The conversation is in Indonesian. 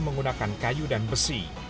menggunakan kayu dan besi